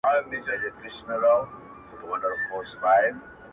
• ته مجرم یې ګناکاره یې هر چاته,